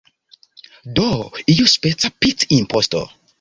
Do iuspeca pic-imposto?